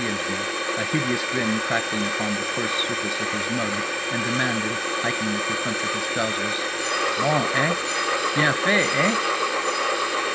and me, a hideous grin crackling upon the coarse surface of his mug, and demanded—hiking at the front of his trousers— "_Bon, eh? Bien fait, eh?